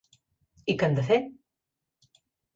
I què hem de fer?